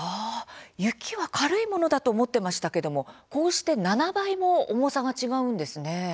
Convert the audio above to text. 雪は軽いものだと思ってましたけども、こうして７倍も重さが違うんですね。